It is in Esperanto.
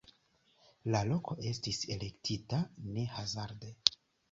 La loko estis elektita ne hazarde.